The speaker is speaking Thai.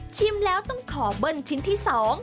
แล้วต้องขอเบิ้ลชิ้นที่๒